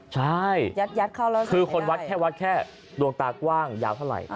ใช่คือคนวัดแค่วัดแค่ดวงตากว้างยาวเท่าไหร่